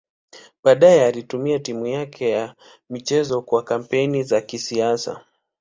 Baadaye alitumia timu yake ya michezo kwa kampeni za kisiasa.